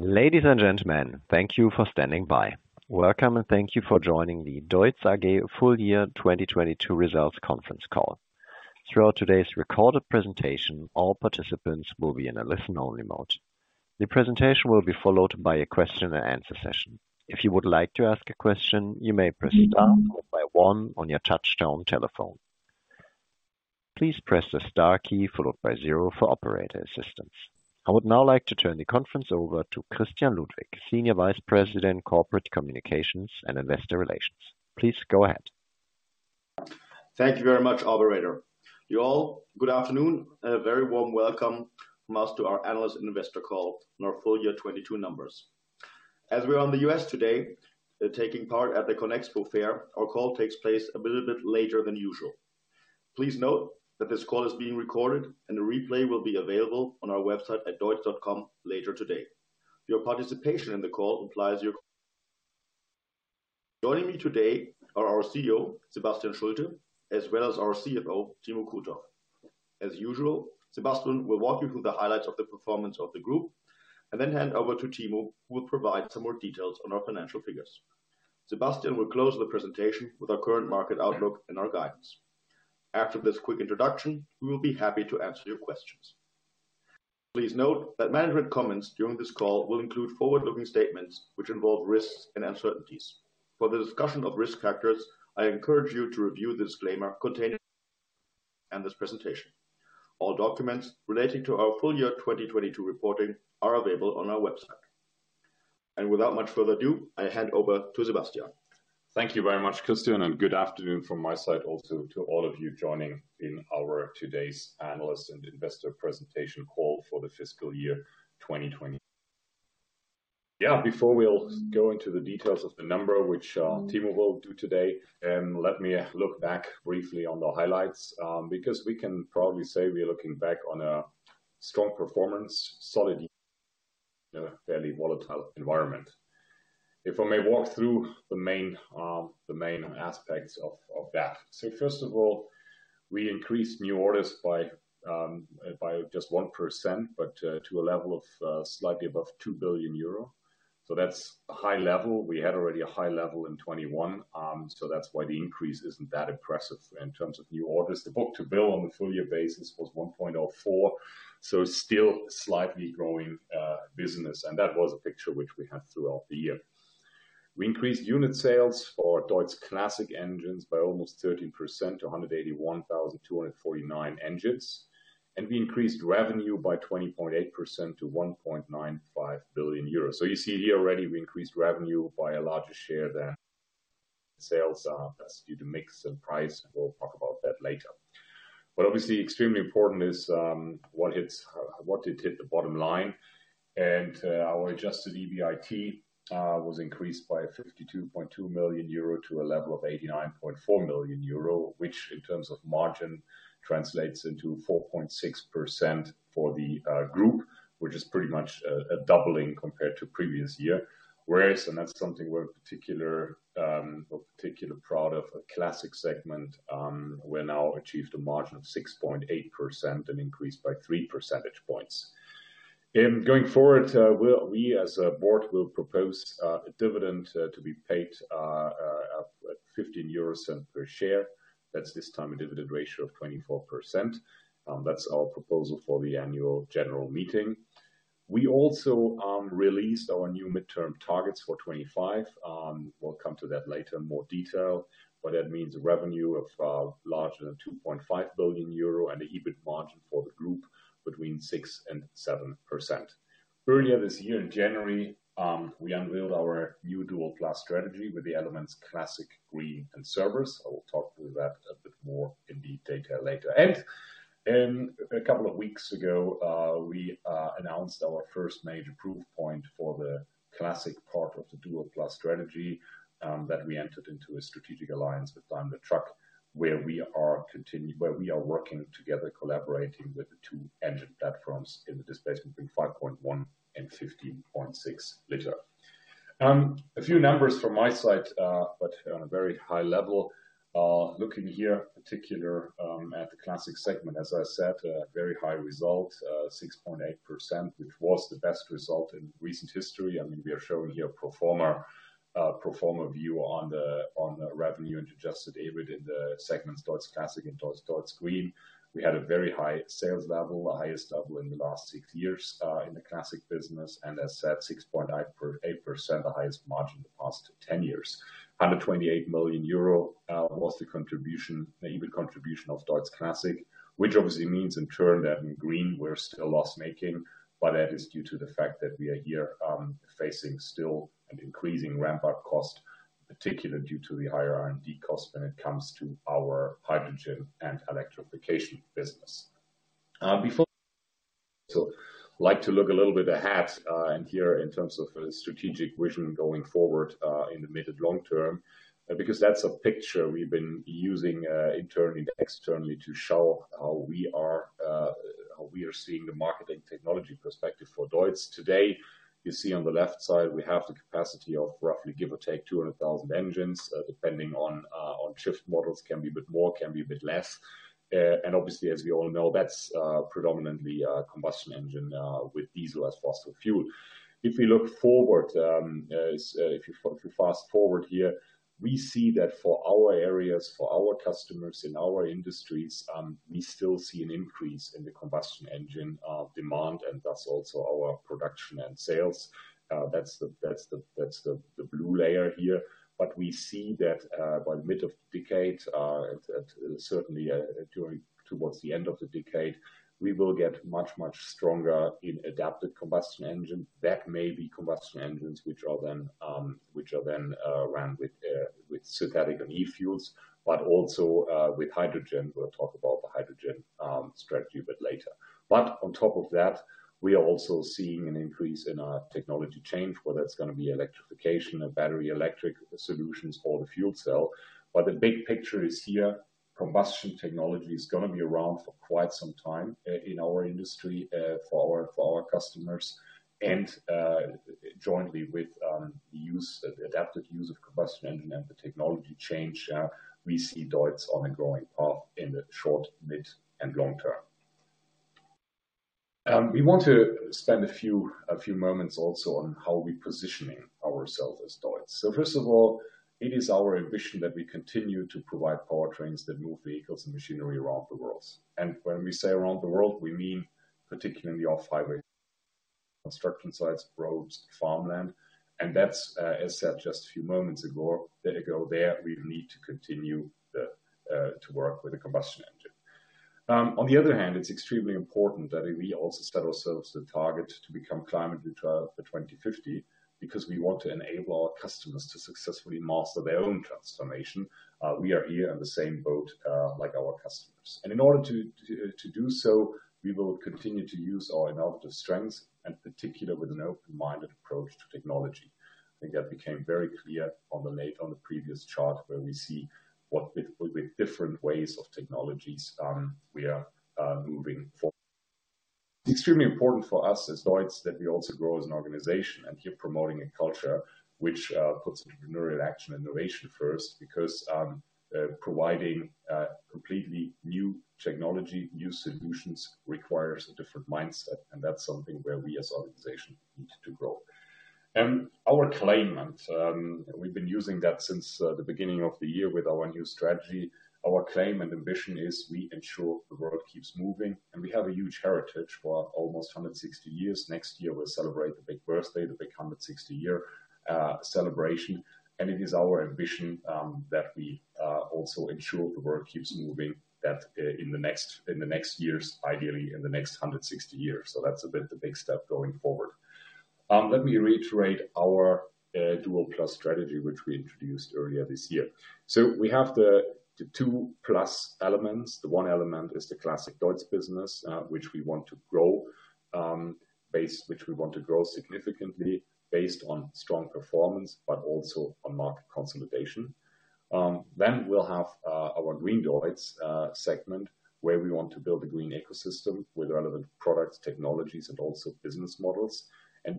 Ladies and gentlemen, thank you for standing by. Welcome, and thank you for joining the DEUTZ AG Full Year 2022 Results Conference Call. Throughout today's recorded presentation, all participants will be in a listen-only mode. The presentation will be followed by a question and answer session. If you would like to ask a question, you may press star followed by one on your touchtone telephone. Please press the star key followed by zero for operator assistance. I would now like to turn the conference over to Christian Ludwig, Senior Vice President, Corporate Communications and Investor Relations. Please go ahead. Thank you very much, operator. You all, good afternoon and a very warm welcome from us to our analyst investor call, our full year 2022 numbers. As we are in the U.S. today, taking part at the CONEXPO Fair, our call takes place a little bit later than usual. Please note that this call is being recorded and a replay will be available on our website at deutz.com later today. Your participation in the call implies your. Joining me today are our CEO, Sebastian Schulte, as well as our CFO, Timo Krutoff. As usual, Sebastian will walk you through the highlights of the performance of the group and then hand over to Timo, who will provide some more details on our financial figures. Sebastian will close the presentation with our current market outlook and our guidance. After this quick introduction, we will be happy to answer your questions. Please note that management comments during this call will include forward-looking statements which involve risks and uncertainties. For the discussion of risk factors, I encourage you to review the disclaimer contained in this presentation. All documents relating to our full year 2022 reporting are available on our website. Without much further ado, I hand over to Sebastian. Thank you very much, Christian, and good afternoon from my side also to all of you joining in our today's analyst and investor presentation call for the fiscal year 2020. Yeah, before we'll go into the details of the number, which Timo will do today, let me look back briefly on the highlights, because we can probably say we are looking back on a strong performance, solid in a fairly volatile environment. If I may walk through the main aspects of that. First of all, we increased new orders by just 1%, but to a level of slightly above 2 billion euro. That's a high level. We had already a high level in 2021, so that's why the increase isn't that impressive in terms of new orders. The book-to-bill on the full year basis was 1.04%, still slightly growing business. That was a picture which we had throughout the year. We increased unit sales for DEUTZ Classic engines by almost 13% to 181,249 engines, and we increased revenue by 20.8% to 1.95 billion euros. You see here already we increased revenue by a larger share than sales. That's due to mix and price. We'll talk about that later. Obviously extremely important is what it hit the bottom line. Our Adjusted EBIT was increased by 52.2 million euro to a level of 89.4 million euro, which in terms of margin translates into 4.6% for the group, which is pretty much a doubling compared to previous year. Whereas, and that's something we're particular or particularly proud of, the Classic segment, we now achieved a margin of 6.8%, an increase by 3 percentage points. Going forward, we as a board will propose a dividend to be paid at 0.15 euros per share. That's this time a dividend ratio of 24%. That's our proposal for the annual general meeting. We also released our new midterm targets for 2025. We'll come to that later in more detail. That means revenue of larger than 2.5 billion euro and the EBIT margin for the group between 6% and 7%. Earlier this year in January, we unveiled our new Dual+ strategy with the elements Classic, Green and Service. I will talk through that a bit more in detail later. A couple of weeks ago, we announced our first major proof point for the Classic part of the Dual+ strategy, that we entered into a strategic alliance with Daimler Truck, where we are working together, collaborating with the two engine platforms in the displacement between 5.1 and 15.6 liter. A few numbers from my side, but on a very high level. Looking here in particular, at the Classic segment, as I said, a very high result, 6.8%, which was the best result in recent history. I mean, we are showing here pro forma, pro forma view on the, on the revenue into Adjusted EBIT in the segment DEUTZ Classic and DEUTZ Green. We had a very high sales level, the highest level in the last six years, in the Classic business. As said, 6.8%, the highest margin in the past 10 years. 128 million euro was the contribution, the EBIT contribution of DEUTZ Classic, which obviously means in turn that in Green we're still loss-making, but that is due to the fact that we are here facing still an increasing ramp-up cost, particularly due to the higher R&D costs when it comes to our hydrogen and electrification business. Like to look a little bit ahead, and here in terms of a strategic vision going forward, in the mid to long term, because that's a picture we've been using internally and externally to show how we are seeing the market and technology perspective for DEUTZ today. You see on the left side, we have the capacity of roughly, give or take, 200,000 engines, depending on shift models, can be a bit more, can be a bit less. Obviously, as we all know, that's predominantly a combustion engine with diesel as fossil fuel. If we look forward, as if you fast-forward here, we see that for our areas, for our customers in our industries, we still see an increase in the combustion engine demand, and thus also our production and sales. That's the blue layer here. We see that by mid of decade, at, certainly, towards the end of the decade, we will get much, much stronger in adapted combustion engine. That may be combustion engines, which are then run with synthetic and e-fuels. Also with hydrogen. We'll talk about the hydrogen strategy a bit later. On top of that, we are also seeing an increase in our technology change, whether it's going to be electrification or battery electric solutions or the fuel cell. The big picture is here, combustion technology is going to be around for quite some time in our industry for our customers, and jointly with the use, the adapted use of combustion engine and the technology change, we see DEUTZ on a growing path in the short, mid, and long term. We want to spend a few moments also on how we're positioning ourselves as DEUTZ. First of all, it is our ambition that we continue to provide powertrains that move vehicles and machinery around the world. When we say around the world, we mean particularly off-highway. Construction sites, roads, farmland. That's as said just a few moments ago, we need to continue to work with the combustion engine. On the other hand, it's extremely important that we also set ourselves the target to become climate neutral for 2050, because we want to enable our customers to successfully master their own transformation. We are here in the same boat like our customers. In order to do so, we will continue to use our innovative strengths, in particular with an open-minded approach to technology. I think that became very clear on the previous chart, where we see what the, with different ways of technologies, we are moving for. Extremely important for us as DEUTZ that we also grow as an organization. Here promoting a culture which puts entrepreneurial action and innovation first. Providing completely new technology, new solutions, requires a different mindset, that's something where we as an organization need to grow. Our claim, we've been using that since the beginning of the year with our new strategy. Our claim and ambition is we ensure the world keeps moving. We have a huge heritage for almost 160 years. Next year, we'll celebrate the big birthday, the big 160-year celebration. It is our ambition that we also ensure the world keeps moving, that in the next years, ideally in the next 160 years. That's a bit the big step going forward. Let me reiterate our Dual+ strategy, which we introduced earlier this year. We have the two plus elements. The one element is the DEUTZ Classic business, which we want to grow significantly based on strong performance, but also on market consolidation. Then we'll have our DEUTZ Green segment, where we want to build a green ecosystem with relevant products, technologies, and also business models.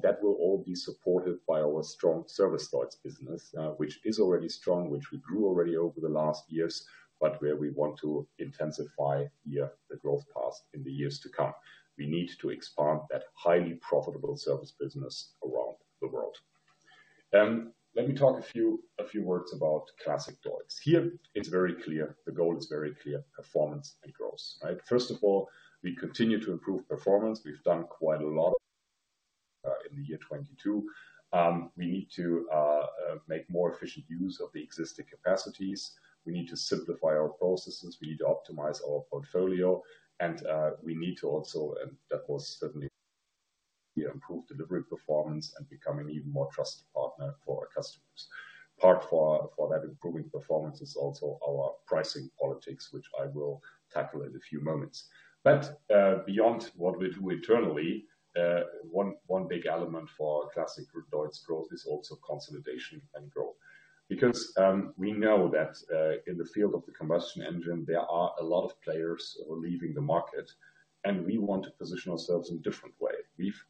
That will all be supported by our strong Service DEUTZ business, which is already strong, which we grew already over the last years, but where we want to intensify here the growth path in the years to come. We need to expand that highly profitable Service business around the world. Let me talk a few words about DEUTZ Classic. Here it's very clear, the goal is very clear: performance and growth, right? First of all, we continue to improve performance. We've done quite a lot in the year 2022. We need to make more efficient use of the existing capacities. We need to simplify our processes. We need to optimize our portfolio. We need to also, and that was certainly, you know, improve delivery performance and become an even more trusted partner for our customers. Part for that improving performance is also our pricing politics, which I will tackle in a few moments. Beyond what we do internally, one big element for our DEUTZ Classic growth is also consolidation and growth. Because we know that in the field of the combustion engine, there are a lot of players who are leaving the market, and we want to position ourselves in a different way.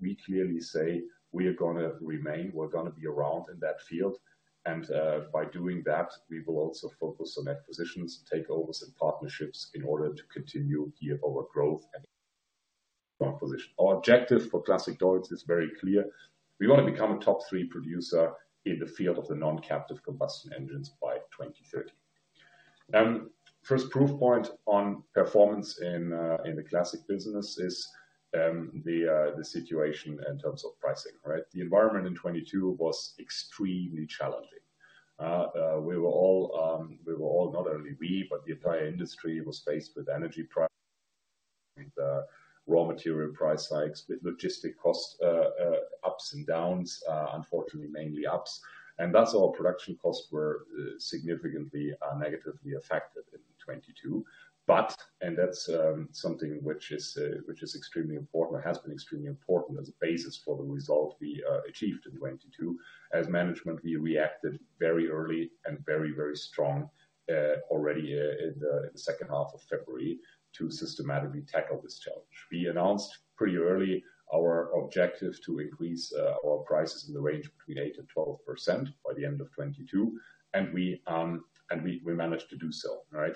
We clearly say we are gonna remain, we're gonna be around in that field. By doing that, we will also focus on acquisitions, takeovers, and partnerships in order to continue here our growth and position. Our objective for DEUTZ Classic is very clear. We wanna become a top three producer in the field of the non-captive combustion engines by 2030. First proof point on performance in the classic business is the situation in terms of pricing, right? The environment in 2022 was extremely challenging. We were all, not only we, but the entire industry was faced with raw material price hikes, with logistic cost ups and downs, unfortunately, mainly ups. Thus our production costs were significantly negatively affected in 2022. That's something which is extremely important or has been extremely important as a basis for the result we achieved in 2022. As management, we reacted very early and very strong already in the second half of February to systematically tackle this challenge. We announced pretty early our objective to increase our prices in the range between 8% and 12% by the end of 2022. We managed to do so, right?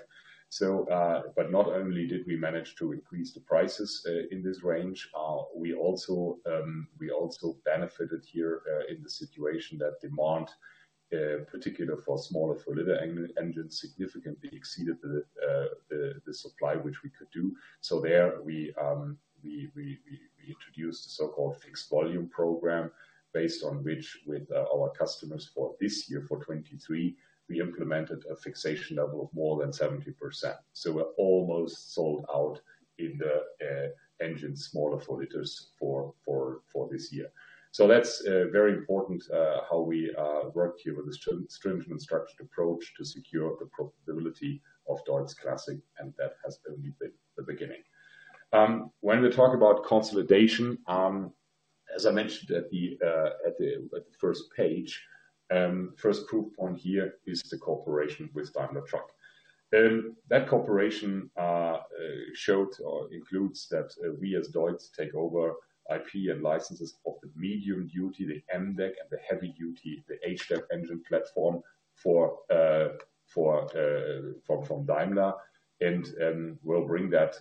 But not only did we manage to increase the prices in this range, we also benefited here in the situation that demand, particularly for smaller 4-liter engines, significantly exceeded the supply which we could do. There we introduced the so-called fixed-volume program, based on which with our customers for this year, for 2023, we implemented a fixation level of more than 70%. We're almost sold out in the engines smaller 4 liters for this year. That's very important how we work here with a stringent and structured approach to secure the profitability of DEUTZ Classic, and that has only been the beginning. When we talk about consolidation, as I mentioned at the first page, first proof point here is the cooperation with Daimler Truck. That cooperation showed or includes that we as DEUTZ take over IP and licenses of the medium duty, the MDEC, and the heavy duty, the HDAV engine platform for, from Daimler. We'll bring that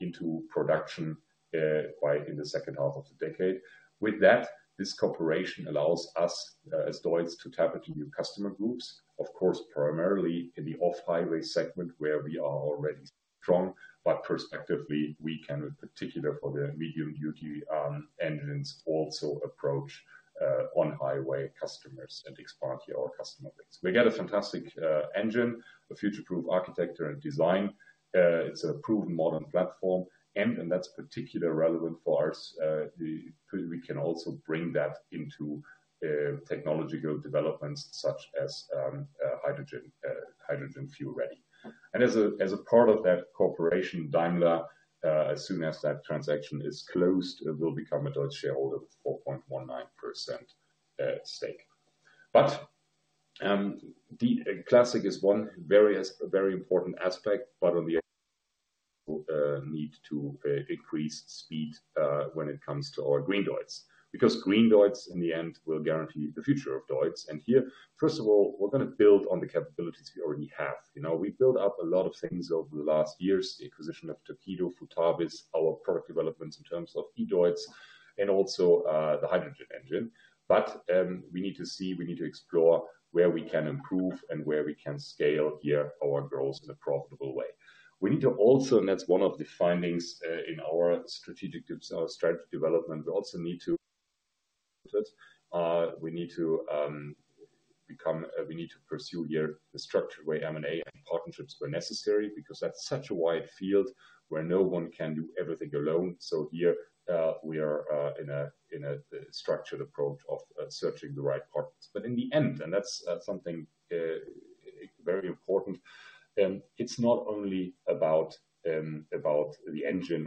into production by in the second half of the decade. With that, this cooperation allows us as DEUTZ to tap into new customer groups. Of course, primarily in the off-highway segment, where we are already strong, perspectively, we can, in particular for the medium duty engines, also approach on-highway customers and expand here our customer base. We get a fantastic engine, a future-proof architecture and design. It's a proven modern platform, and that's particularly relevant for us, we can also bring that into technological developments such as hydrogen fuel ready. As a part of that cooperation, Daimler, as soon as that transaction is closed, will become a DEUTZ shareholder, 4.19% stake. The Classic is one various, very important aspect, on the need to increase speed when it comes to our Green DEUTZ. Green DEUTZ in the end will guarantee the future of DEUTZ. Here, first of all, we're going to build on the capabilities we already have. You know, we built up a lot of things over the last years, the acquisition of Torqeedo, Futavis, our product developments in terms of E-DEUTZ, and also, the hydrogen engine. We need to see, we need to explore where we can improve and where we can scale here our growth in a profitable way. We need to also, and that's one of the findings, in our strategic development, we also need to pursue here a structured way M&A and partnerships where necessary, because that's such a wide field where no one can do everything alone. Here, we are in a structured approach of searching the right partners. In the end, and that's something very important, it's not only about the engine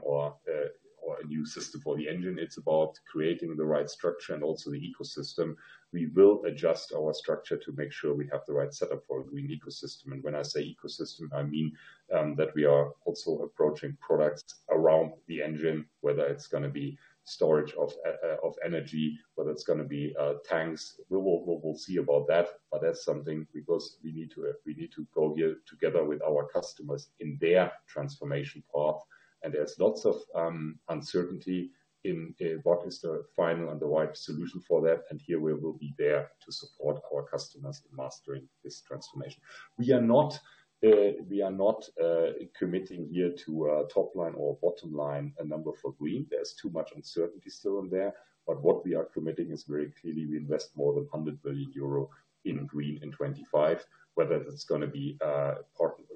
or a new system for the engine, it's about creating the right structure and also the ecosystem. We will adjust our structure to make sure we have the right setup for a green ecosystem. When I say ecosystem, I mean that we are also approaching products around the engine, whether it's gonna be storage of energy, whether it's gonna be tanks. We'll see about that, but that's something because we need to go here together with our customers in their transformation path. There's lots of uncertainty in what is the final and the right solution for that. Here we will be there to support our customers in mastering this transformation. We are not committing here to a top line or bottom line a number for Green. There's too much uncertainty still in there. What we are committing is very clearly, we invest more than 100 billion euro in Green in 2025, whether that's gonna be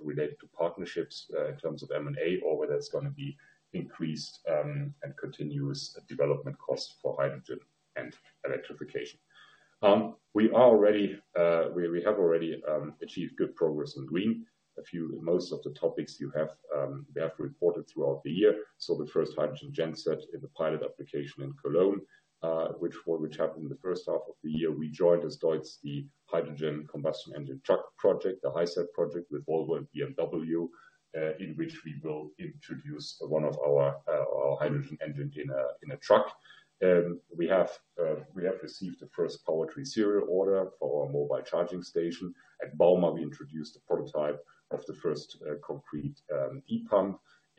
related to partnerships in terms of M&A or whether it's gonna be increased and continuous development costs for hydrogen and electrification. We are already, we have already achieved good progress in Green. Most of the topics you have, we have reported throughout the year. The first hydrogen genset in the pilot application in Cologne, which happened in the first half of the year. We joined as DEUTZ, the hydrogen combustion engine truck project, the HyCET project with Volvo and BMW, in which we will introduce one of our hydrogen engine in a truck. We have received the first PowerTree serial order for our mobile charging station. At bauma, we introduced the prototype of the first concrete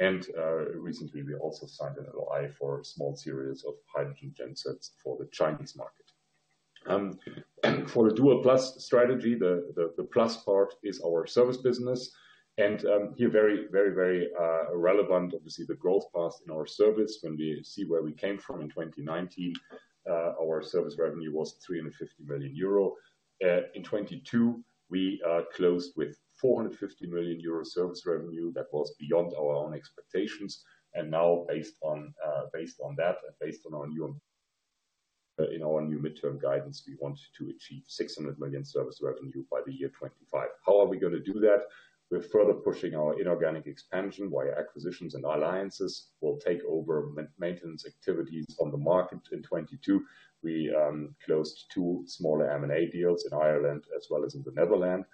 ePump. Recently, we also signed an LOI for a small series of hydrogen gensets for the Chinese market. For the Dual+ strategy, the plus part is our Service business. Here, very relevant, obviously, the growth path in our Service. When we see where we came from in 2019, our Service revenue was 350 million euro. In 2022, we closed with 450 million euro Service revenue. That was beyond our own expectations. Now based on that and based on our new, in our new midterm guidance, we want to achieve 600 million service revenue by the year 2025. How are we gonna do that? We're further pushing our inorganic expansion via acquisitions and alliances. We'll take over maintenance activities on the market in 2022. We closed two smaller M&A deals in Ireland as well as in the Netherlands.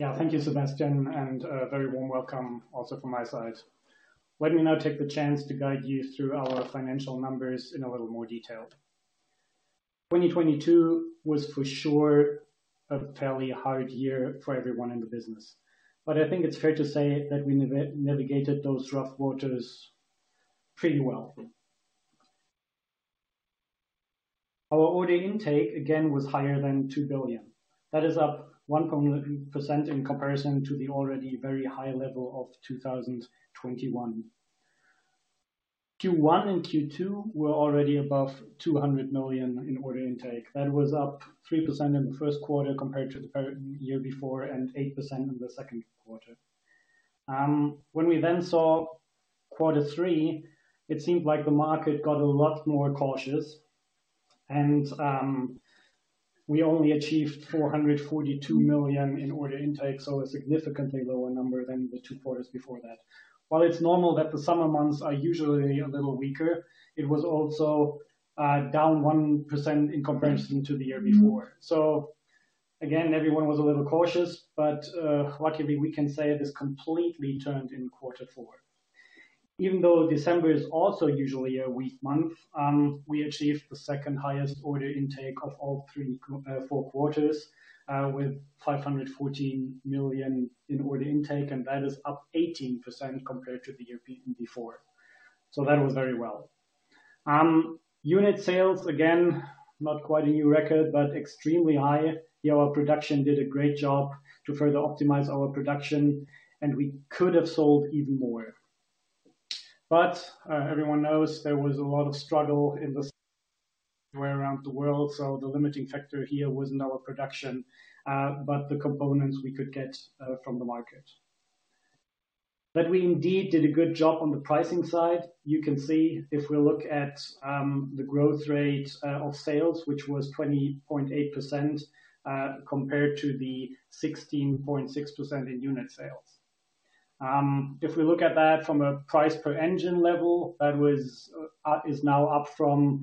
Thank you, Sebastian, and a very warm welcome also from my side. Let me now take the chance to guide you through our financial numbers in a little more detail. 2022 was for sure a fairly hard year for everyone in the business, but I think it's fair to say that we navigated those rough waters pretty well. Our order intake again was higher than 2 billion. That is up 1.1% in comparison to the already very high level of 2021. Q1 and Q2 were already above 200 million in order intake. That was up 3% in the first quarter compared to the year before and 8% in the second quarter. When we then saw quarter three, it seemed like the market got a lot more cautious and, we only achieved 442 million in order intake, so a significantly lower number than the two quarters before that. While it's normal that the summer months are usually a little weaker, it was also, down 1% in comparison to the year before. Again, everyone was a little cautious, but, luckily we can say it has completely turned in quarter four. Even though December is also usually a weak month, we achieved the second highest order intake of all three, four quarters, with 514 million in order intake, and that is up 18% compared to the year before. That went very well. Unit sales, again, not quite a new record, but extremely high. Here our production did a great job to further optimize our production, and we could have sold even more. Everyone knows there was a lot of struggle in the supply way around the world, so the limiting factor here wasn't our production, but the components we could get from the market. We indeed did a good job on the pricing side. You can see if we look at the growth rate of sales, which was 20.8%, compared to the 16.6% in unit sales. If we look at that from a price per engine level, that was, is now up from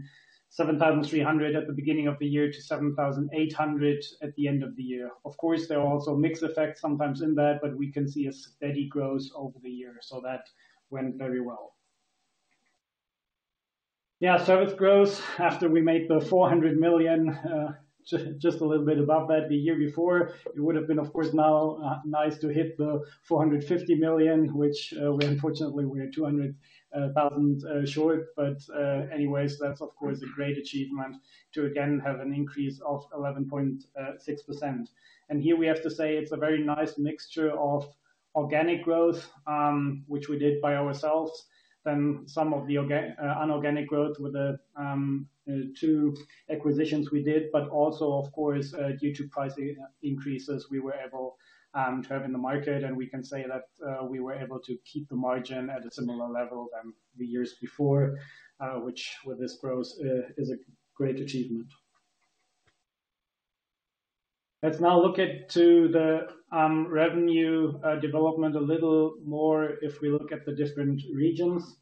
7,300 at the beginning of the year to 7,800 at the end of the year. Of course, there are also mix effects sometimes in that, but we can see a steady growth over the year. That went very well. Service growth after we made the 400 million, just a little bit above that the year before, it would have been of course now nice to hit the 450 million, which we unfortunately were 200 thousand short. Anyways, that's of course a great achievement to again have an increase of 11.6%. Here we have to say it's a very nice mixture of organic growth, which we did by ourselves. Some of the unorganic growth with the two acquisitions we did, also of course, due to price increases, we were able to have in the market. We can say that we were able to keep the margin at a similar level than the years before, which with this growth is a great achievement. Let's now look into the revenue development a little more if we look at the different regions.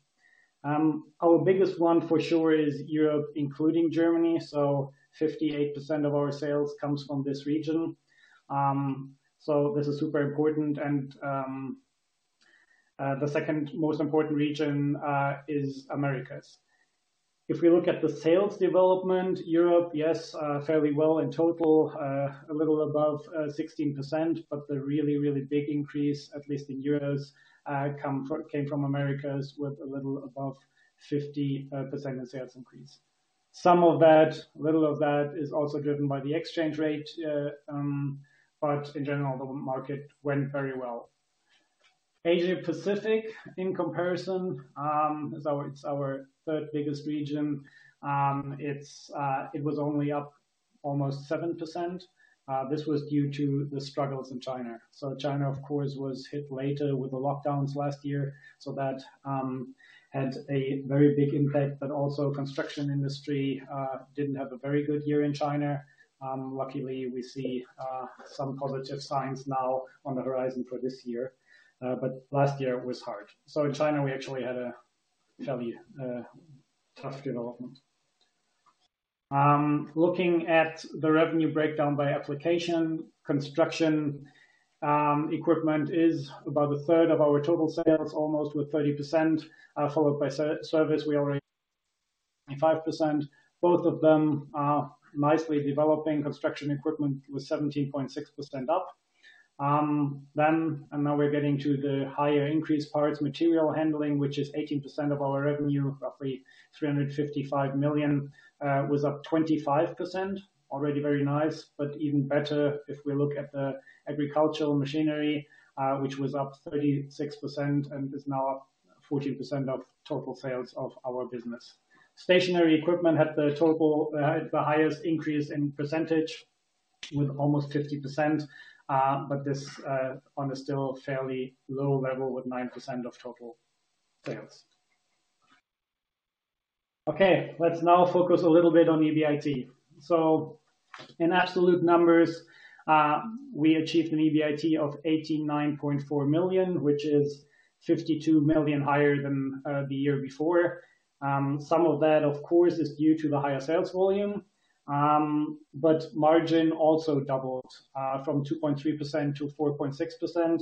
Our biggest one for sure is Europe, including Germany, so 58% of our sales comes from this region. This is super important and the second most important region is Americas. If we look at the sales development, Europe, yes, fairly well in total, a little above 16%, but the really, really big increase, at least in euros, came from Americas with a little above 50% in sales increase. Some of that, a little of that, is also driven by the exchange rate, but in general, the market went very well. Asia Pacific in comparison is our, it's our third biggest region. It's, it was only up almost 7%. This was due to the struggles in China. China, of course, was hit later with the lockdowns last year, so that had a very big impact. Also construction industry didn't have a very good year in China. Luckily, we see some positive signs now on the horizon for this year. Last year it was hard. In China, we actually had a fairly tough development. Looking at the revenue breakdown by application, construction equipment is about a third of our total sales, almost with 30%, followed by Service. We already 5%. Both of them are nicely developing. Construction equipment was 17.6% up. Now we're getting to the higher increase parts, material handling, which is 18% of our revenue, roughly 355 million, was up 25%. Already very nice. Even better if we look at the agricultural machinery, which was up 36% and is now 14% of total sales of our business. Stationary equipment had the highest increase in percentage with almost 50%. This on a still fairly low level with 9% of total sales. Let's now focus a little bit on EBIT. In absolute numbers, we achieved an EBIT of 89.4 million, which is 52 million higher than the year before. Some of that, of course, is due to the higher sales volume, margin also doubled from 2.3% to 4.6%.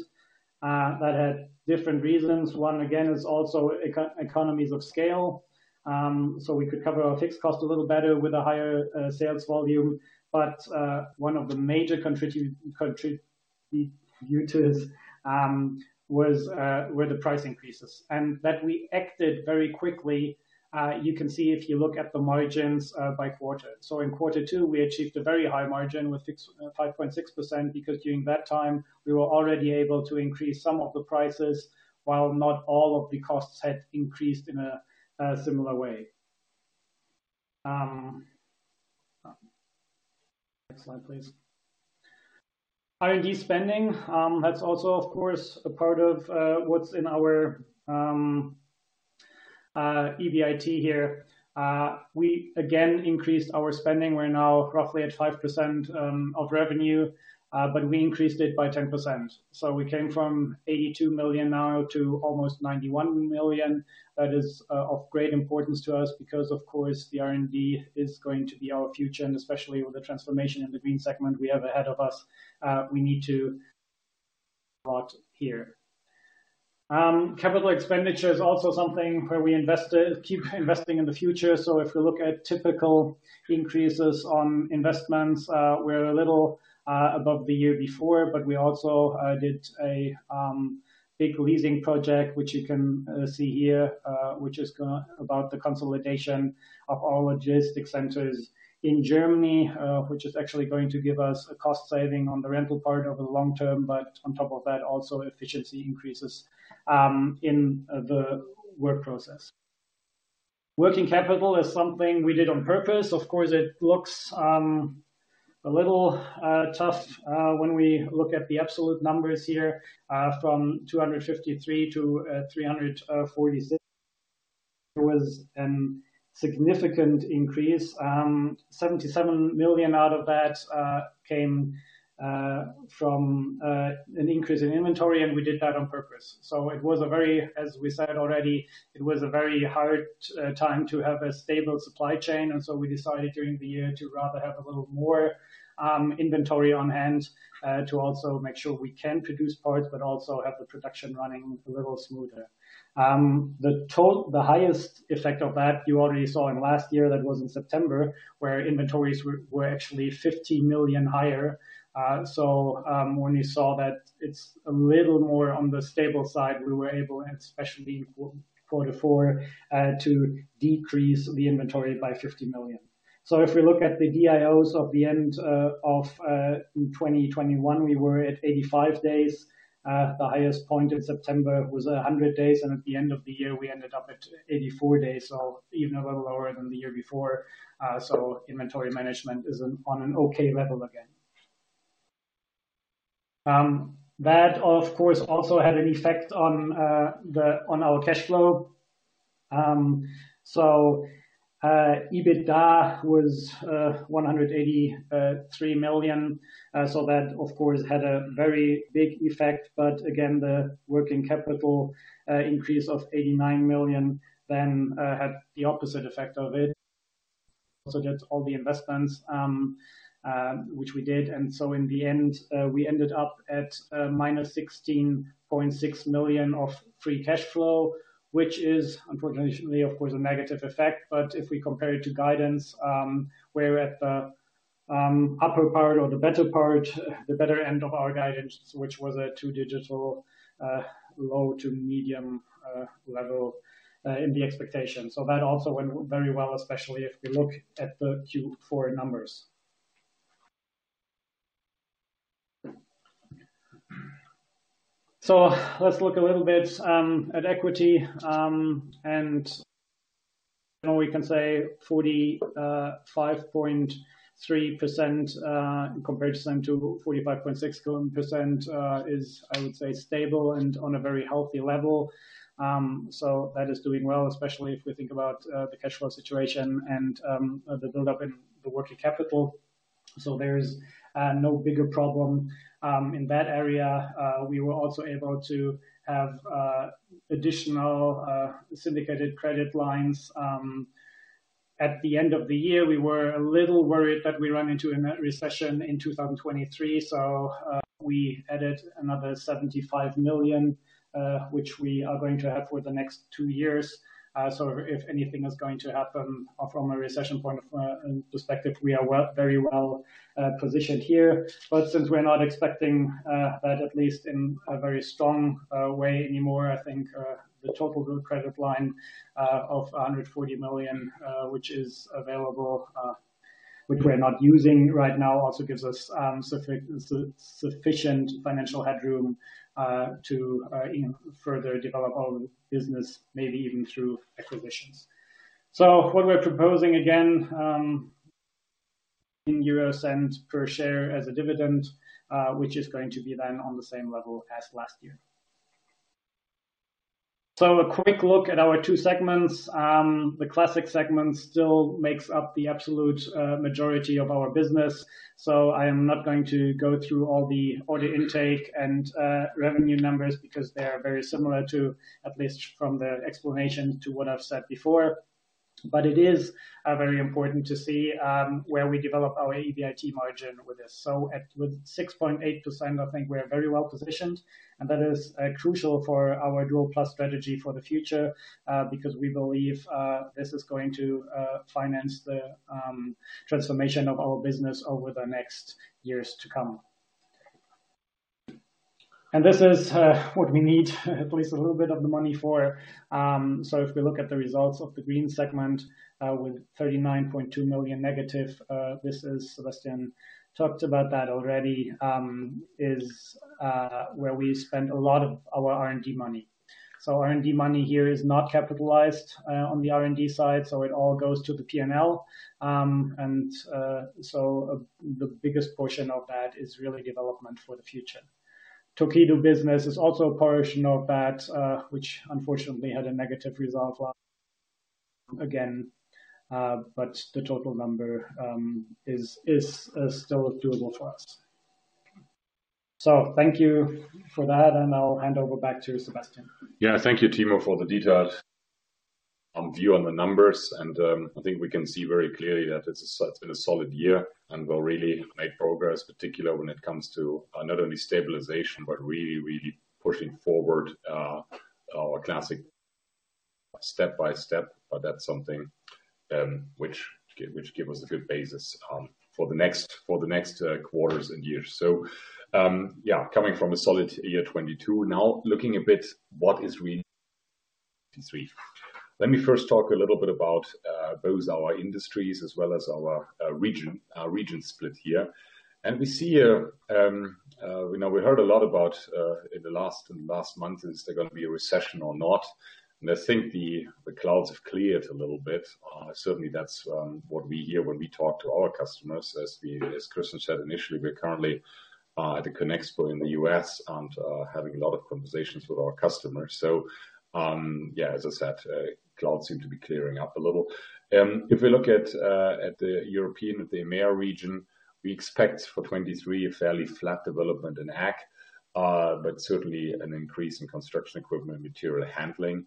That had different reasons. One, again, is also eco-economies of scale, so we could cover our fixed cost a little better with a higher sales volume. One of the major contributors was the price increases. That we acted very quickly, you can see if you look at the margins by quarter. In quarter two, we achieved a very high margin with 5.6% because during that time, we were already able to increase some of the prices while not all of the costs had increased in a similar way. Next slide, please. R&D spending, that's also of course, a part of what's in our EBIT here. We again increased our spending. We're now roughly at 5% of revenue, but we increased it by 10%. We came from 82 million now to almost 91 million. That is of great importance to us because, of course, the R&D is going to be our future, and especially with the transformation in the Green segment we have ahead of us, we need to start here. Capital expenditure is also something where we invest, keep investing in the future. If we look at typical increases on investments, we're a little above the year before, but we also did a big leasing project, which you can see here, which is about the consolidation of our logistics centers in Germany, which is actually going to give us a cost saving on the rental part over the long term, but on top of that, also efficiency increases in the work process. Working capital is something we did on purpose. Of course, it looks a little tough when we look at the absolute numbers here from 253 to 346. There was a significant increase. 77 million out of that came from an increase in inventory, and we did that on purpose. It was a very, as we said already, it was a very hard time to have a stable supply chain. We decided during the year to rather have a little more inventory on hand to also make sure we can produce parts, but also have the production running a little smoother. The highest effect of that you already saw in last year, that was in September, where inventories were actually 50 million higher. When you saw that it's a little more on the stable side, we were able, and especially in quarter four, to decrease the inventory by 50 million. If we look at the DIOs of the end of 2021, we were at 85 days. The highest point in September was 100 days, and at the end of the year, we ended up at 84 days, so even a little lower than the year before. Inventory management is on an okay level again. That of course, also had an effect on our cash flow. EBITDA was 183 million. That, of course, had a very big effect. Again, the working capital increase of 89 million then had the opposite effect of it. Also did all the investments which we did. In the end, we ended up at -16.6 million of free cash flow, which is unfortunately, of course, a negative effect. If we compare it to guidance, we're at the upper part or the better part, the better end of our guidance, which was a two-digit low to medium level in the expectation. That also went very well, especially if we look at the Q4 numbers. Let's look a little bit at equity. We can say 45.3% compared to 45.6% is, I would say, stable and on a very healthy level. That is doing well, especially if we think about the cash flow situation and the build-up in the working capital. There is no bigger problem in that area. We were also able to have additional syndicated credit lines. At the end of the year, we were a little worried that we run into a recession in 2023, so we added another 75 million, which we are going to have for the next two years. If anything is going to happen from a recession point of perspective, we are very well positioned here. Since we're not expecting that at least in a very strong way anymore, I think the total group credit line of 140 million, which is available, which we're not using right now, also gives us sufficient financial headroom to further develop our business, maybe even through acquisitions. What we're proposing, again, in EUR cents per share as a dividend, which is going to be on the same level as last year. A quick look at our two segments. The Classic segment still makes up the absolute majority of our business. I am not going to go through all the order intake and revenue numbers because they are very similar to, at least from the explanation, to what I've said before. It is very important to see where we develop our EBIT margin with this. With 6.8%, I think we're very well-positioned, and that is crucial for our Dual+ strategy for the future, because we believe this is going to finance the transformation of our business over the next years to come. This is what we need at least a little bit of the money for. If we look at the results of the Green segment, with 39.2 million negative, this is, Sebastian talked about that already, is where we spend a lot of our R&D money. R&D money here is not capitalized on the R&D side, it all goes to the P&L. The biggest portion of that is really development for the future. Torqeedo business is also a portion of that, which unfortunately had a negative result again. The total number is still doable for us. Thank you for that, and I'll hand over back to Sebastian. Thank you, Timo, for the detailed view on the numbers. I think we can see very clearly that it's been a solid year, and we really made progress, particularly when it comes to not only stabilization, but really pushing forward our Classic step by step. That's something which give us a good basis for the next quarters and years. Coming from a solid year 2022, now looking a bit what is really 2023. Let me first talk a little bit about both our industries as well as our region split here. We see here, we know we heard a lot about in the last months, is there gonna be a recession or not? I think the clouds have cleared a little bit. Certainly that's what we hear when we talk to our customers. As Christian said initially, we're currently at the CONEXPO in the U.S and having a lot of conversations with our customers. Yeah, as I said, clouds seem to be clearing up a little. If we look at the European, at the EMEIA region, we expect for 2023 a fairly flat development in Ag, but certainly an increase in construction equipment, material handling.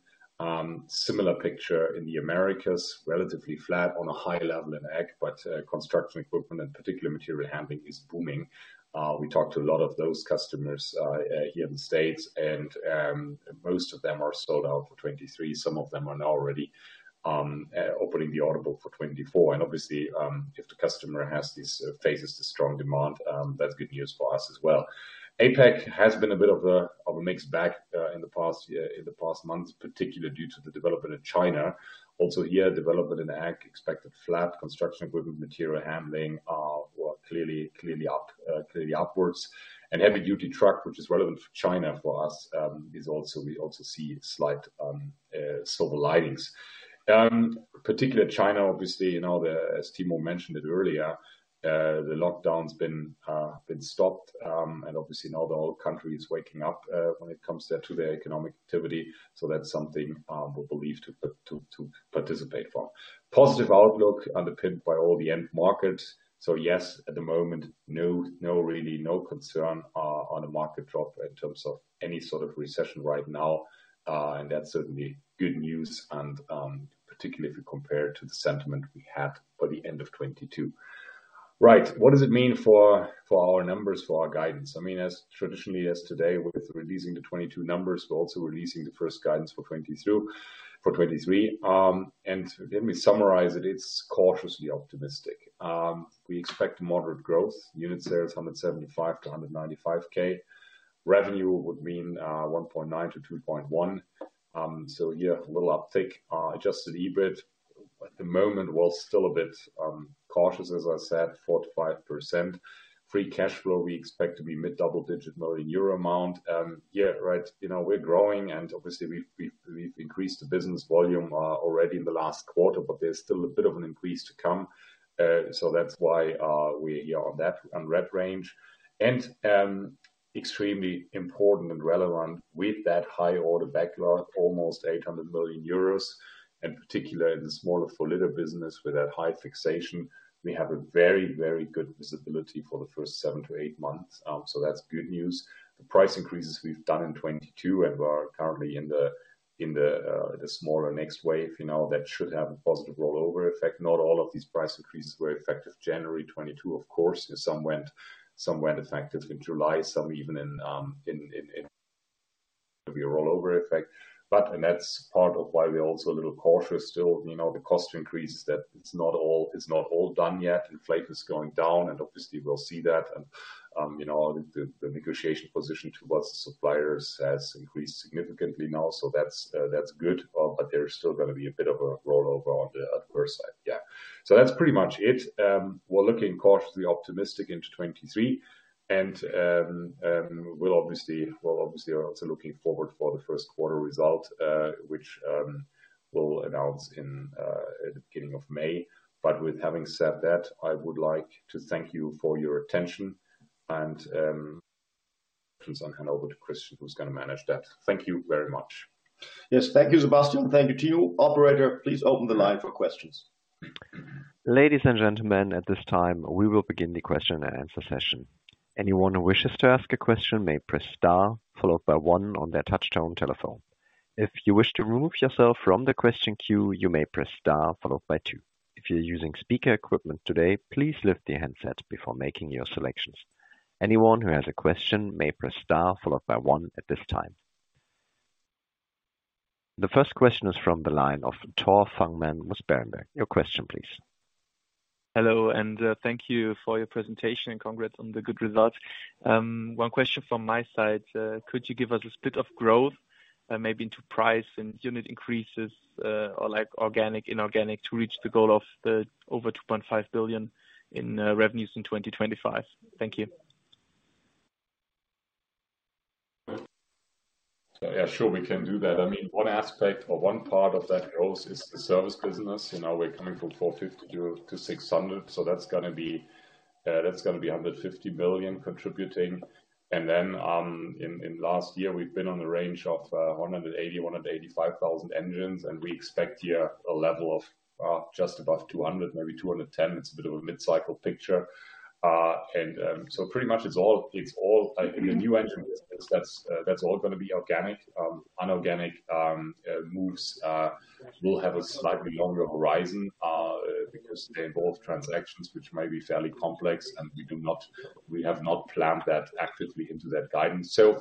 Similar picture in the Americas, relatively flat on a high level in Ag, but construction equipment and particularly material handling is booming. We talked to a lot of those customers here in the States, and most of them are sold out for 2023. Some of them are now already opening the order book for 2024. Obviously, if the customer has these phases to strong demand, that's good news for us as well. APAC has been a bit of a mixed bag in the past year, in the past months, particularly due to the development in China. Here, development in Ag expected flat. Construction equipment, material handling are, well, clearly up, clearly upwards. Heavy-duty truck, which is relevant for China for us, is also, we also see slight silver linings. Particularly China, obviously, you know, as Timo mentioned it earlier, the lockdown's been stopped. Obviously now the whole country is waking up when it comes to their economic activity. That's something we believe to participate for. Positive outlook underpinned by all the end markets. Yes, at the moment, no really no concern on the market drop in terms of any sort of recession right now. That's certainly good news and particularly if you compare it to the sentiment we had by the end of 2022. Right. What does it mean for our numbers, for our guidance? I mean, as traditionally as today with releasing the 2022 numbers, we're also releasing the first guidance for 2023. Let me summarize it. It's cautiously optimistic. We expect moderate growth. Unit sales, 175K-195K. Revenue would mean 1.9 billion-2.1 billion. Yeah, a little uptick. Adjusted EBIT at the moment, we're still a bit cautious, as I said, 45%. Free cash flow, we expect to be mid double-digit million Euro amount. Yeah, right. You know, we've increased the business volume already in the last quarter, but there's still a bit of an increase to come. That's why we are on that, on rep range. Extremely important and relevant with that high order backlog, almost 800 million euros, and particularly in the smaller Four Liter business with that high fixation, we have a very, very good visibility for the first seven to eight months. That's good news. The price increases we've done in 2022 and are currently in the smaller next wave, you know, that should have a positive rollover effect. Not all of these price increases were effective January 2022, of course. Some went, some went effective in July, some even in of your rollover effect. And that's part of why we're also a little cautious still. You know, the cost increases, that it's not all, it's not all done yet. Inflation is going down. Obviously we'll see that. You know, the negotiation position towards the suppliers has increased significantly now, so that's good. There is still gonna be a bit of a rollover on the adverse side. Yeah. That's pretty much it. We're looking cautiously optimistic into 2023. We're obviously, we're obviously also looking forward for the first quarter result, which we'll announce at the beginning of May. With having said that, I would like to thank you for your attention. Since I hand over to Christian, who's gonna manage that. Thank you very much. Yes. Thank you, Sebastian. Thank you to you. Operator, please open the line for questions. Ladies and gentlemen, at this time, we will begin the question and answer session. Anyone who wishes to ask a question may press star followed by one on their touchtone telephone. If you wish to remove yourself from the question queue, you may press star followed by two. If you're using speaker equipment today, please lift your handsets before making your selections. Anyone who has a question may press star followed by one at this time. The first question is from the line of Tore Fangmann with Berenberg. Your question please. Hello, and thank you for your presentation, and congrats on the good results. One question from my side. Could you give us a bit of growth, maybe into price and unit increases, or like organic, inorganic, to reach the goal of the over 2.5 billion in revenues in 2025? Thank you. Yeah, sure, we can do that. I mean, one aspect or one part of that growth is the Service business. You know, we're coming from 450 to 600, so that's gonna be, that's gonna be 150 million contributing. In last year we've been on the range of, 180,000-185,000 engines, and we expect here a level of, just above 200, maybe 210 engines. It's a bit of a mid-cycle picture. Pretty much it's all. In the new engine business, that's all gonna be organic. Inorganic moves will have a slightly longer horizon, because they involve transactions which may be fairly complex, and we do not. We have not planned that actively into that guidance. To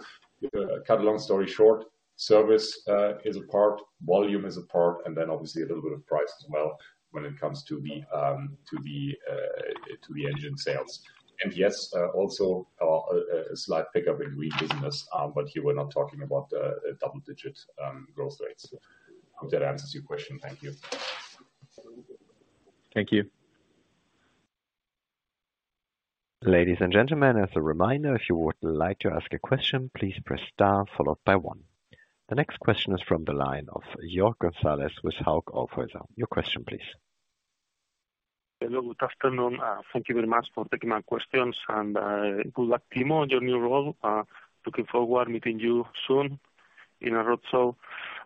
cut a long story short, service is a part, volume is a part, and then obviously a little bit of price as well when it comes to the to the to the engine sales. Yes, also a slight pickup in rebusiness, but here we're not talking about double digits growth rates. Hope that answers your question. Thank you. Thank you. Ladies and gentlemen, as a reminder, if you would like to ask a question, please press star followed by one. The next question is from the line of Jorge González with Hauck & Aufhäuser. Your question please. Hello, good afternoon. Thank you very much for taking my questions. Good luck, Timo, on your new role. Looking forward meeting you soon in our roadshow.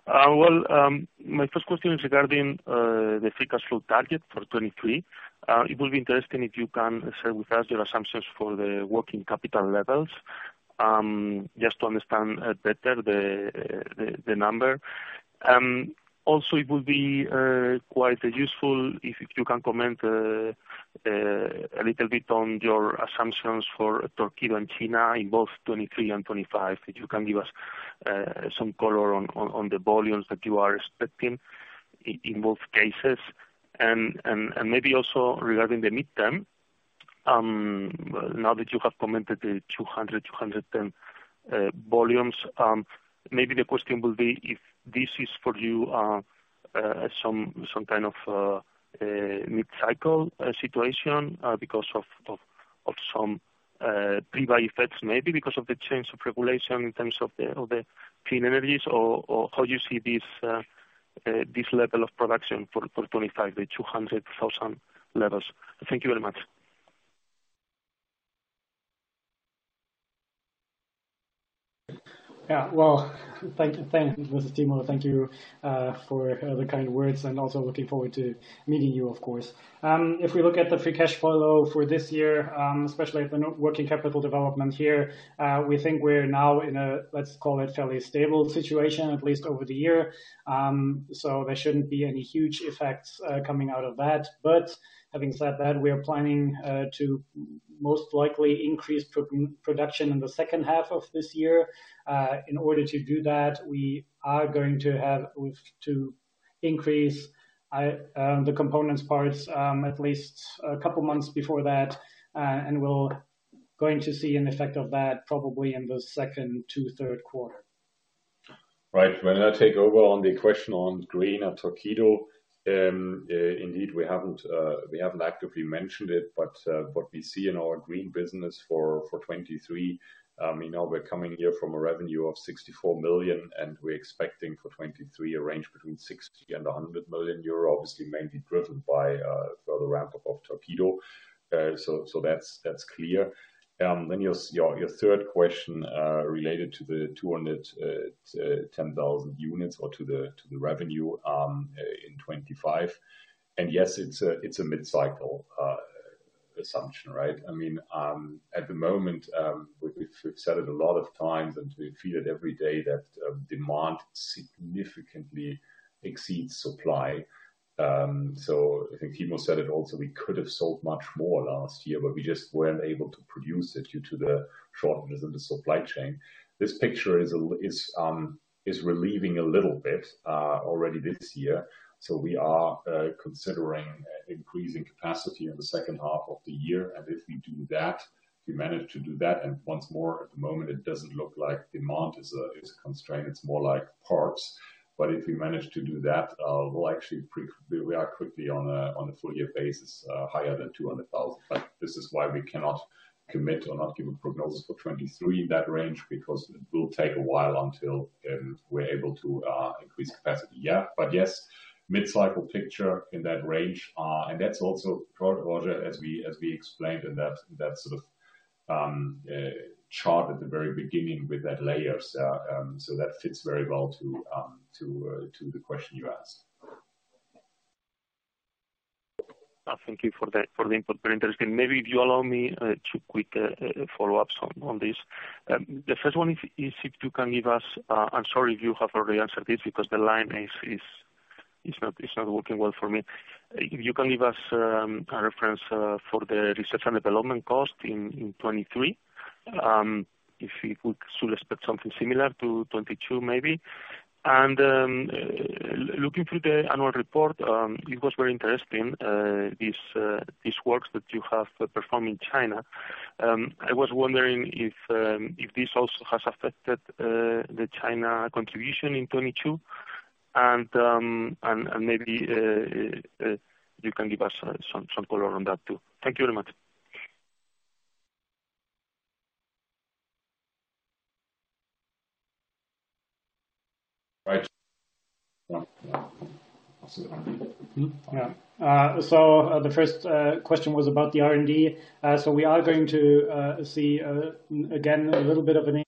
Well, my first question is regarding the free cash flow target for 2023. It will be interesting if you can share with us your assumptions for the working capital levels, just to understand better the number. Also it would be quite useful if you can comment a little bit on your assumptions for Torqeedo and China in both 2023 and 2025. If you can give us some color on the volumes that you are expecting in both cases. Maybe also regarding the midterm, now that you have commented the 200, 210 volumes, maybe the question will be if this is for you, some kind of mid-cycle situation, because of some pre-buy effects, maybe because of the change of regulation in terms of the clean energies, or how you see this level of production for 2025, the 200,000 levels? Thank you very much. Well, thank, thanks, this is Timo. Thank you for the kind words, and also looking forward to meeting you, of course. If we look at the free cash flow for this year, especially at the net working capital development here, we think we're now in a, let's call it, fairly stable situation, at least over the year. There shouldn't be any huge effects coming out of that. Having said that, we are planning to most likely increase pro-production in the second half of this year. In order to do that, we've to increase the components parts at least a couple of months before that, and we're going to see an effect of that probably in the second to third quarter. Right. When I take over on the question on Green and Torqeedo, indeed, we haven't actively mentioned it, but what we see in our Green business for 2023, we know we're coming here from a revenue of 64 million, and we're expecting for 2023 a range between 60 million-100 million euro, obviously mainly driven by further ramp up of Torqeedo. That's clear. Your third question related to the 210,000 units or to the revenue in 2025. Yes, it's a mid-cycle assumption, right? I mean, at the moment, we've said it a lot of times, and we feel it every day that demand significantly exceeds supply. I think Timo said it also, we could have sold much more last year, but we just weren't able to produce it due to the shortness in the supply chain. This picture is relieving a little bit already this year. We are considering increasing capacity in the second half of the year. If we do that, we manage to do that, and once more, at the moment, it doesn't look like demand is a constraint, it's more like parts. If we manage to do that, we'll actually We are quickly on a full year basis higher than 200,000. This is why we cannot commit or not give a prognosis for 2023 in that range, because it will take a while until we're able to increase capacity. Yeah. Yes, mid-cycle picture in that range. That's also part, Jorge, as we explained in that sort of chart at the very beginning with that layers. That fits very well to the question you asked. Thank you for the input. Very interesting. Maybe if you allow me, two quick follow-ups on this. The first one is if you can give us... I'm sorry if you have already answered this because the line is not working well for me. If you can give us a reference for the R&D cost in 2023. If we could still expect something similar to 2022, maybe? Looking through the annual report, it was very interesting, these works that you have performed in China. I was wondering if this also has affected the China contribution in 2022, and maybe you can give us some color on that too. Thank you very much. Right. Yeah. Yeah. The first question was about the R&D. We are going to see again.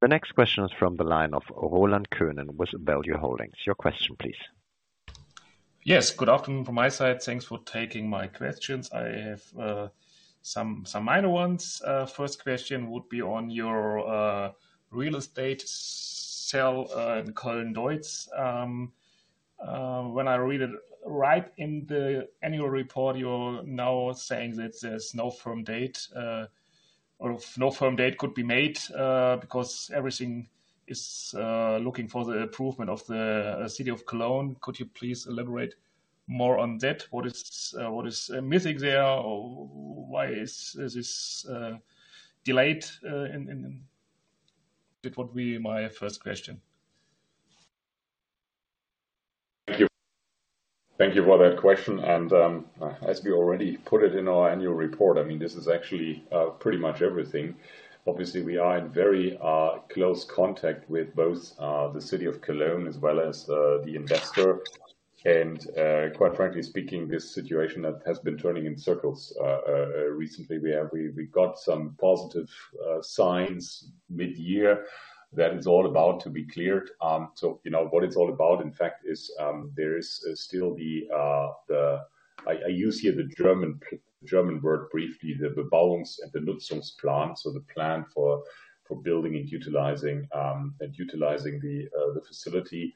First question would be on your real estate sell, in Cologne, DEUTZ. When I read it right in the annual report, you're now saying that there's no firm date, or no firm date could be made, because everything is looking for the approval of the city of Cologne. Could you please elaborate more on that? What is, what is missing there, or why is this delayed? That would be my first question. Thank you. Thank you for that question. As we already put it in our annual report, I mean, this is actually pretty much everything. Obviously, we are in very close contact with both the City of Cologne as well as the investor. Quite frankly speaking, this situation has been turning in circles. Recently we got some positive signs mid-year that it's all about to be cleared. You know, what it's all about, in fact, is there is still the I use here the German word briefly, the Bilanz and the Nutzungsplan. The plan for building and utilizing, and utilizing the facility.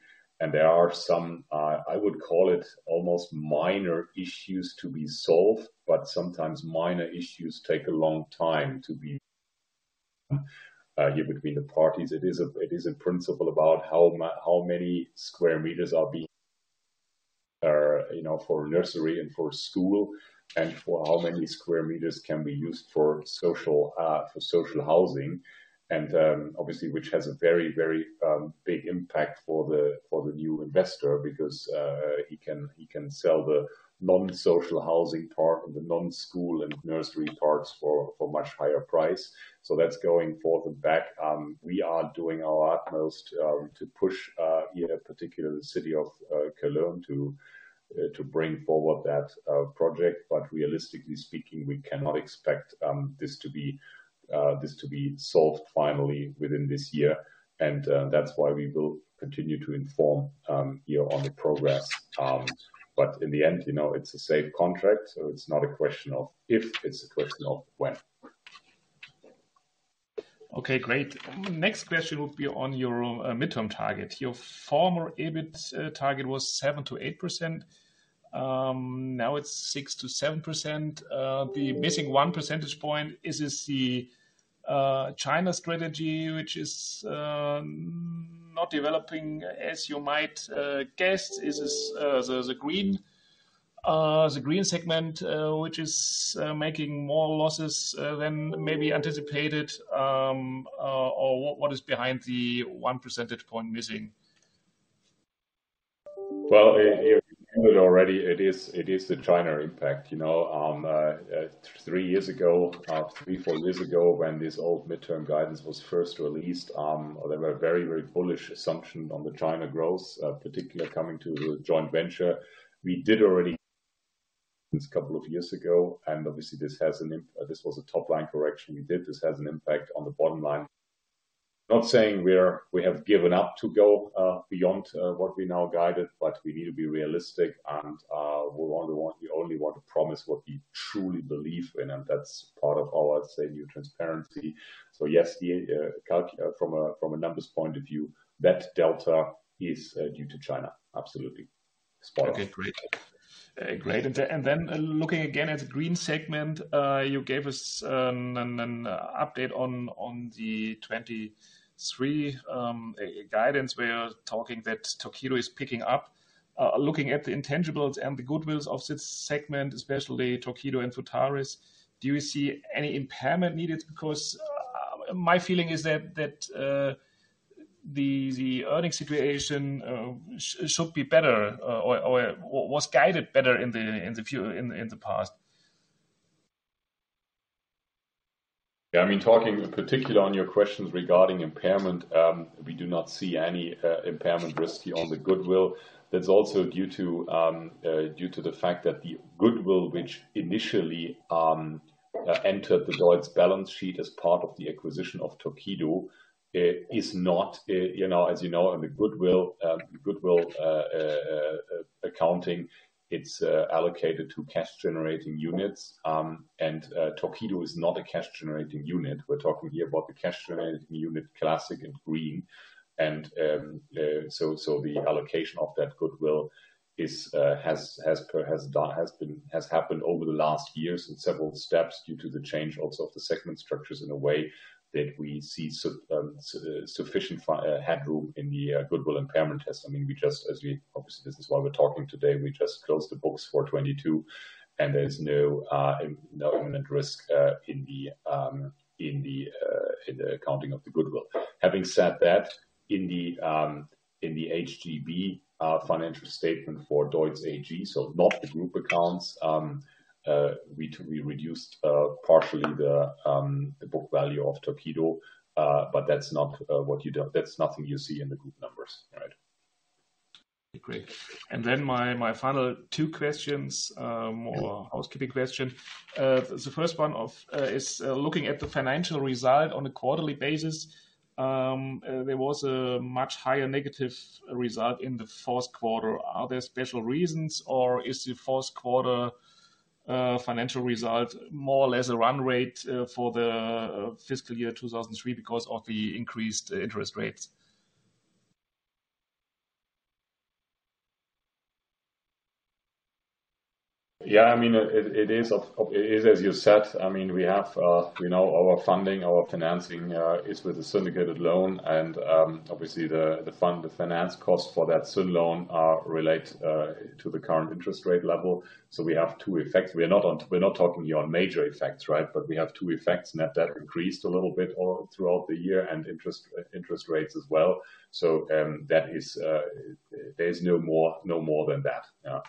There are some, I would call it almost minor issues to be solved, but sometimes minor issues take a long time to be here between the parties. It is in principle about how many square meters are being, you know, for nursery and for school, and for how many square meters can be used for social, for social housing. Obviously, which has a very, very big impact for the, for the new investor because he can sell the non-social housing part and the non-school and nursery parts for much higher price. That's going forth and back. We are doing our utmost to push here in particular the city of Cologne to bring forward that project. Realistically speaking, we cannot expect this to be solved finally within this year. That's why we will continue to inform you on the progress. In the end, you know, it's a safe contract, so it's not a question of if, it's a question of when. Okay, great. Next question would be on your midterm target. Your former EBIT target was 7%-8%. Now it's 6%-7%. The missing 1 percentage point, is this the China strategy, which is not developing, as you might guess? Is this the green segment which is making more losses than maybe anticipated? Or what is behind the 1 percentage point missing? Well, you handled already. It is the China impact. You know, three years ago, three, four years ago when this old midterm guidance was first released, there were very, very bullish assumptions on the China growth, particularly coming to the joint venture. We did already this couple of years ago. Obviously, this was a top line correction. We did. This has an impact on the bottom line. Not saying we have given up to go beyond what we now guided, we need to be realistic, we only want to promise what we truly believe in, and that's part of our, I'd say, new transparency. Yes, from a numbers point of view, that delta is due to China. Absolutely. Spot on. Okay, great. Great. Then looking again at the Green segment, you gave us an update on the 23 guidance. We're talking that Torqeedo is picking up. Looking at the intangibles and the goodwills of this segment, especially Torqeedo and Futavis, do you see any impairment needed? Because my feeling is that the earning situation should be better or was guided better in the past. Yeah, I mean, talking particularly on your questions regarding impairment, we do not see any impairment risk here on the goodwill. That's also due to the fact that the goodwill, which initially entered the DEUTZ balance sheet as part of the acquisition of Torqeedo, is not, you know, as you know, I mean, goodwill accounting, it's allocated to cash-generating units. Torqeedo is not a cash-generating unit. We're talking here about the cash-generating unit, Classic and Green. So the allocation of that goodwill has happened over the last years in several steps due to the change also of the segment structures in a way that we see sufficient headroom in the goodwill impairment test. I mean, we just Obviously, this is why we're talking today. We just closed the books for 2022, and there's no imminent risk in the accounting of the goodwill. Having said that, in the HGB financial statement for DEUTZ AG, so not the group accounts, we reduced partially the book value of Torqeedo. That's not nothing you see in the group numbers. Right. Great. My, my final two questions, more housekeeping question. The first one of is looking at the financial result on a quarterly basis, there was a much higher negative result in the fourth quarter. Are there special reasons or is the fourth quarter financial result more or less a run rate for the fiscal year 2003 because of the increased interest rates? I mean, It is as you said. I mean, we have, we know our funding, our financing, is with a syndicated loan and, obviously the fund, the finance cost for that syn loan are relate to the current interest rate level. We have two effects. We're not talking here on major effects, right? But we have two effects. Net debt increased a little bit throughout the year and interest rates as well. That is, there is no more than that.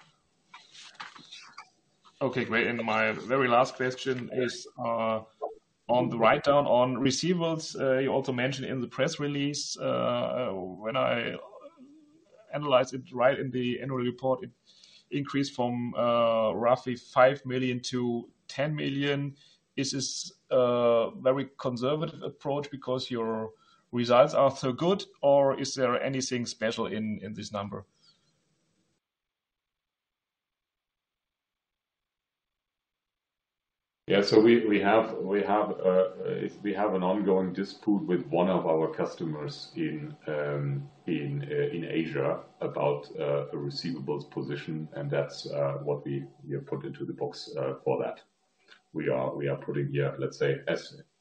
Okay, great. My very last question is, on the write down on receivables. You also mentioned in the press release, when I analyze it right in the annual report, it increased from, roughly 5 million-10 million. Is this a very conservative approach because your results are so good, or is there anything special in this number? Yeah. We have an ongoing dispute with one of our customers in Asia about a receivables position, and that's what we, you know, put into the box for that. We are putting, yeah, let's say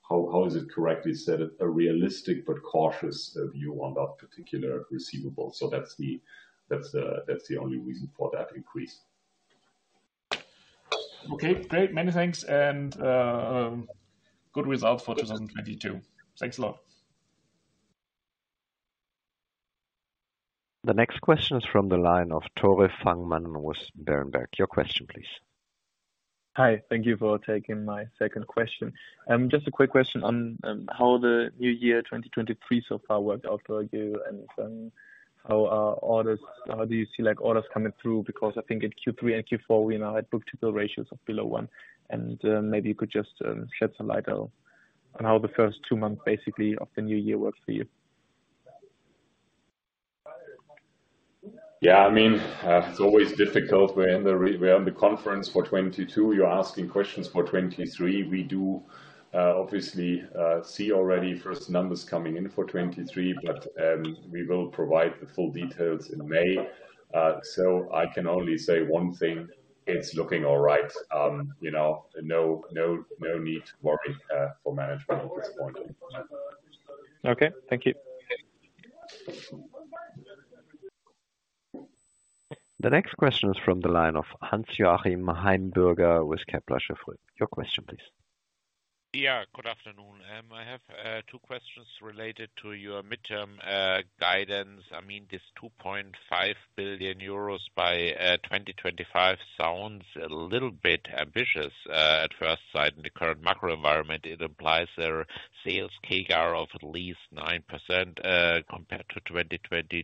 How is it correctly said? A realistic but cautious view on that particular receivable. That's the only reason for that increase. Okay, great. Many thanks and good result for 2022. Thanks a lot. The next question is from the line of Tore Fangmann with Berenberg. Your question please. Hi. Thank you for taking my second question. just a quick question on how the new year, 2023 so far worked out for you, and how do you see like orders coming through? I think in Q3 and Q4 we now had book-to-bill ratios of below one, maybe you could just shed some light on how the first two months basically of the new year worked for you. Yeah. It's always difficult. We're in the conference for 2022. You're asking questions for 2023. We will provide the full details in May. I can only say one thing. It's looking all right. No need to worry for management at this point in time. Okay, thank you. The next question is from the line of Hans-Joachim Heimbürger with Kepler Cheuvreux. Your question please. Good afternoon. I have two questions related to your midterm guidance. I mean, this 2.5 billion euros by 2025 sounds a little bit ambitious at first sight in the current macro environment. It implies a sales CAGR of at least 9% compared to 2022.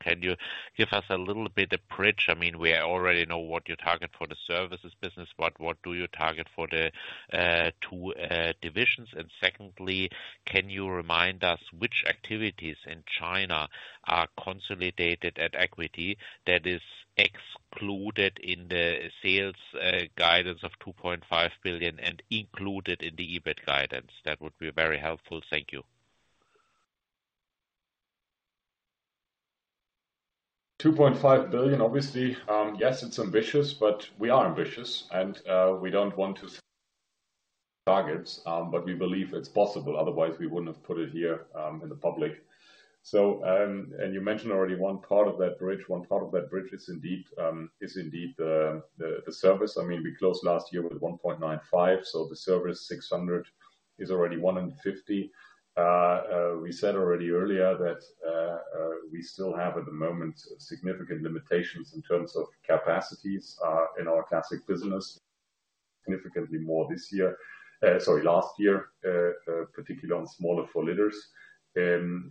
Can you give us a little bit of bridge? I mean, we already know what you target for the Service business, but what do you target for the two divisions? Secondly, can you remind us which activities in China are consolidated at equity that is excluded in the sales guidance of 2.5 billion EUR and included in the EBIT guidance? That would be very helpful. Thank you. 2.5 billion obviously, yes, it's ambitious, but we are ambitious and we don't want to targets, but we believe it's possible, otherwise we wouldn't have put it here in the public. You mentioned already one part of that bridge. One part of that bridge is indeed the service. I mean we closed last year with 1.95 billion. The service 600 million is already 150 million. We said already earlier that we still have at the moment significant limitations in terms of capacities in our DEUTZ Classic business. Significantly more this year. Sorry, last year, particularly on smaller four-liters.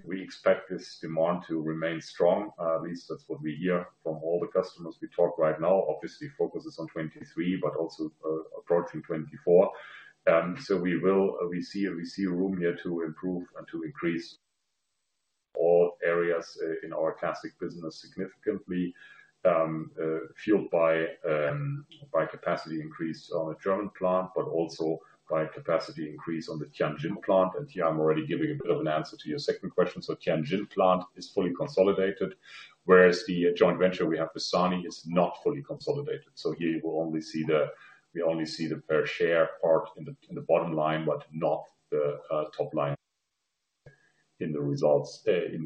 We expect this demand to remain strong. At least that's what we hear from all the customers we talk right now. Obviously, focus is on 2023, but also approaching 2024. We see room here to improve and to increase all areas in our Classic business significantly, fueled by capacity increase on the German plant, but also by capacity increase on the Tianjin plant. Here I'm already giving a bit of an answer to your second question. Tianjin plant is fully consolidated, whereas the joint venture we have with SANY is not fully consolidated. Here you will only see we only see the fair share part in the bottom line, but not the top line in the results. Then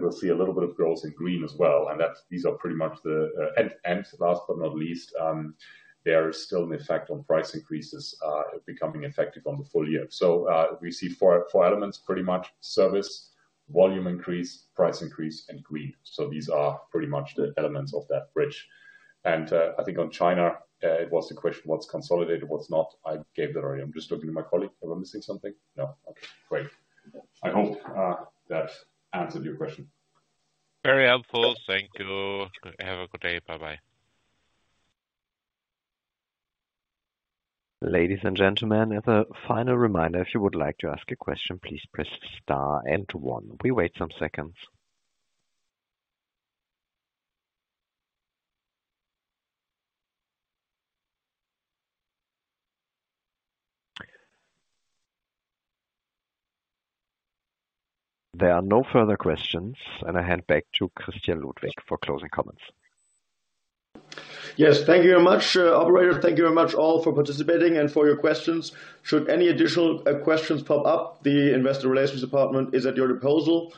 we'll see a little bit of growth in Green as well. These are pretty much the. Last but not least, there is still an effect on price increases, becoming effective on the full year. We see four elements, pretty much. Service, volume increase, price increase, and Green. These are pretty much the elements of that bridge. I think on China, it was the question what's consolidated, what's not, I gave that already. I'm just looking at my colleague. Am I missing something? No. Okay, great. I hope that answered your question. Very helpful. Thank you. Have a good day. Bye-bye. Ladies and gentlemen, as a final reminder, if you would like to ask a question, please press star and one. We wait some seconds. There are no further questions, and I hand back to Christian Ludwig for closing comments. Yes. Thank you very much, operator. Thank you very much all for participating and for your questions. Should any additional questions pop up, the investor relations department is at your disposal.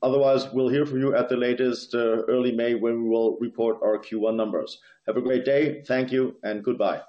Otherwise we'll hear from you at the latest early May, when we will report our Q1 numbers. Have a great day. Thank you and goodbye. Thank you.